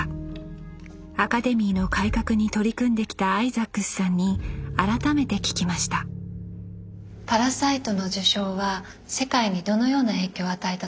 アカデミーの改革に取り組んできたアイザックスさんに改めて聞きました「パラサイト」の受賞は世界にどのような影響を与えたと思いますか？